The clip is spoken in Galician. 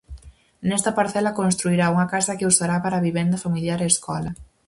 Nesta parcela construirá unha casa que usará para vivenda familiar e escola.